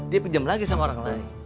dia pinjam lagi sama orang lain